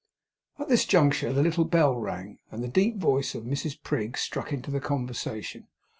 At this juncture the little bell rang, and the deep voice of Mrs Prig struck into the conversation.